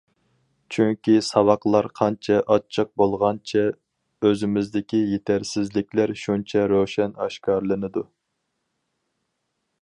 چۈنكى ساۋاقلار قانچە ئاچچىق بولغانچە ئۆزىمىزدىكى يېتەرسىزلىكلەر شۇنچە روشەن ئاشكارىلىنىدۇ.